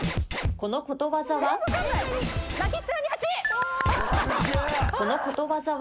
このことわざは？